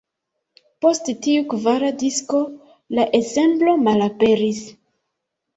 Post tiu kvara disko la ensemblo malaperis.